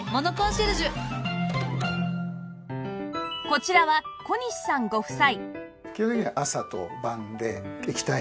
こちらは小西さんご夫妻